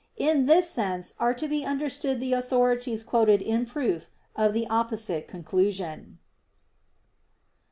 In this sense are to be understood the authorities quoted in proof of the opposite conclusion.